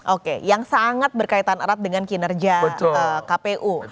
oke yang sangat berkaitan erat dengan kinerja kpu